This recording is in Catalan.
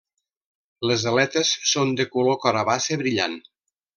Les aletes són de color carabassa brillant.